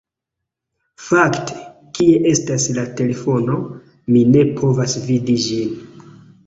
Fakte, kie estas la telefono? Mi ne povas vidi ĝin.